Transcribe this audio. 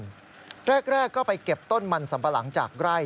แรกก็ไปเก็บต้นมันสัมปะหลังจากไร่